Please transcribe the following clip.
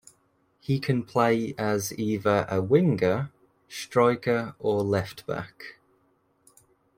He can play as either a winger, striker or left-back.